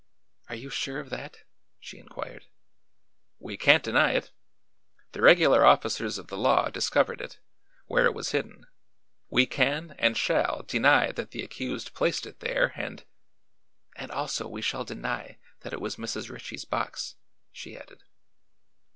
"Are you sure of that?" she inquired. "We can't deny it. The regular officers of the law discovered it, where it was hidden. We can, and shall, deny that the accused placed it there, and " "And also we shall deny that it was Mrs. Ritchie's box," she added.